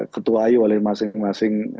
ketuai oleh masing masing